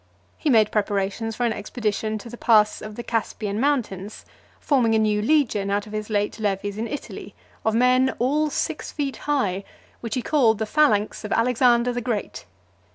He made preparations for an expedition to the Pass of the Caspian mountains ; forming a new legion out of his late levies in Italy, of men all six feet high, which he called the phalanx of Alexander the Great.